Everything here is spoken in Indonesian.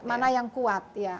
mana yang kuat ya